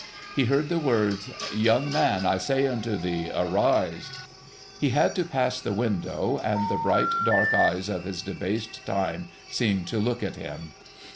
He heard the words :' Young man, I say unto thee, arise !' He had to pass the window ; and the bright, dark eyes of his debased time seemed to look at him.